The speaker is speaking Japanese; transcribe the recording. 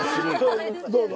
どうぞ。